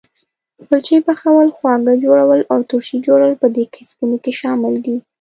کلچې پخول، خواږه جوړول او ترشي جوړول په دې کسبونو کې شامل دي.